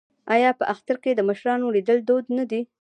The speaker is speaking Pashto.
آیا په اختر کې د مشرانو لیدل دود نه دی؟